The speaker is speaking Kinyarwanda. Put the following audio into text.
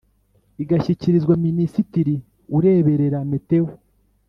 Igashyikirizwa minisitiri ureberera meteo